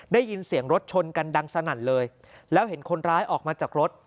ได้ยินเสียงรถชนกันดังสนั่นเลยแล้วเห็นคนร้ายออกมาจากรถ